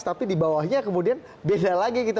tapi di bawahnya kemudian beda lagi pak akmal